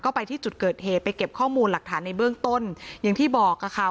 ก็ไปที่จุดเกิดเหตุไปเก็บข้อมูลหลักฐานในเบื้องต้นอย่างที่บอกค่ะ